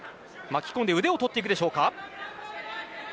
巻き込んで腕を取るでしょうか。